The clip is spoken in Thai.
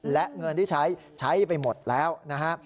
และเงินที่ใช้ใช้ไปหมดแล้วนะฮะ